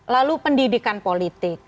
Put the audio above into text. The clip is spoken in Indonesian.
lalu pendidikan politik